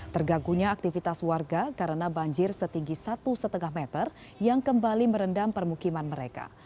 terganggunya aktivitas warga karena banjir setinggi satu lima meter yang kembali merendam permukiman mereka